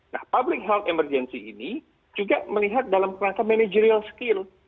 nah public health emergency ini juga melihat dalam kerangka managerial skill